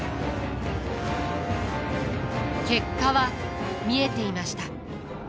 結果は見えていました。